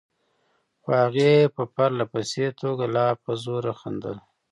خو هغې په پرله پسې توګه لا په زوره خندل.